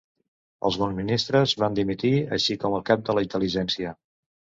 Alguns ministres van dimitir així com el cap de la intel·ligència.